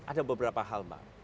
jadi ada beberapa hal mbak